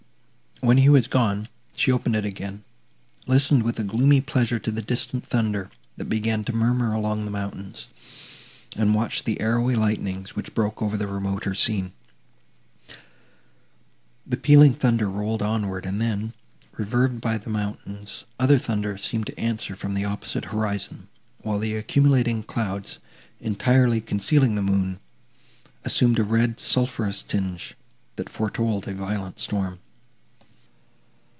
When he was gone, she opened it again, listened with a gloomy pleasure to the distant thunder, that began to murmur among the mountains, and watched the arrowy lightnings, which broke over the remoter scene. The pealing thunder rolled onward, and then, reverbed by the mountains, other thunder seemed to answer from the opposite horizon; while the accumulating clouds, entirely concealing the moon, assumed a red sulphureous tinge, that foretold a violent storm.